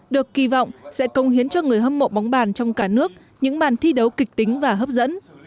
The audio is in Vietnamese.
được kỳ vọng sẽ công hiến cho người hâm mộ bóng bàn trong cả nước những bàn thi đấu kịch tính và hấp dẫn